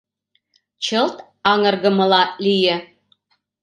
Чылт аҥыргымыла лие.